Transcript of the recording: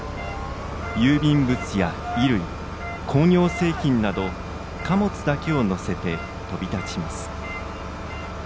郵便物や衣類、工業製品など貨物だけを載せて飛び立ちます。